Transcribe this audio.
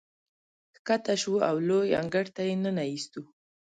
ښکته شوو او یو لوی انګړ ته یې ننه ایستو.